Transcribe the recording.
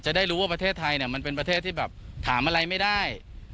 จะได้รู้ว่าประเทศไทยเนี่ยมันเป็นประเทศที่แบบถามอะไรไม่ได้